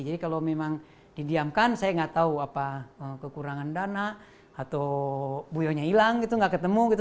jadi kalau memang didiamkan saya nggak tahu apa kekurangan dana atau buayanya hilang gitu nggak ketemu gitu